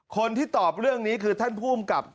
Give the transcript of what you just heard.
คนที่ตอบเรื่องนี้คือท่านภูมิกับ